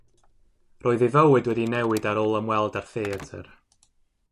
Roedd ei fywyd wedi newid ar ôl ymweld â'r theatr.